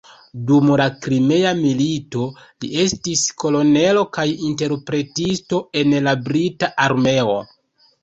Dum la Krimea milito li estis kolonelo kaj interpretisto en la brita armeo.